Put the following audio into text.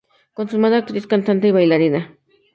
Consumada actriz, cantante y bailarina.